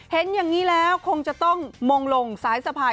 เห็นอย่างนี้แล้วคงจะต้องมงลงสายสะพาย